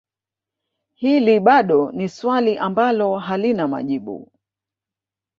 Hili bado ni swali ambalo halina majibu